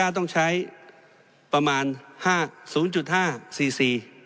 ต้องใช้ประมาณห้าศูนย์จุดห้าสี่สี่